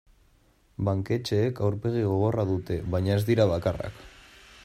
Banketxeek aurpegi gogorra dute baina ez dira bakarrak.